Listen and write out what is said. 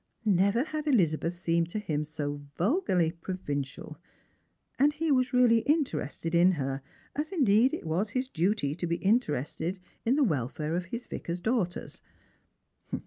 Never had Elizabeth seemed to him so vulgarly pro vincial ; and he was really interested in her, as indeed it was his duty to be interested in the welfare of his Vicar's daughters.